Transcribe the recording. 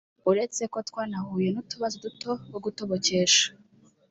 “Uretse ko twanahuye n’utubazo duto rwo gutobokesha